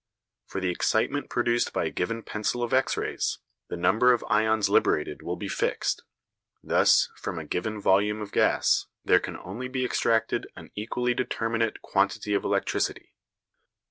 For the excitement produced by a given pencil of X rays, the number of ions liberated will be fixed. Thus, from a given volume of gas there can only be extracted an equally determinate quantity of electricity.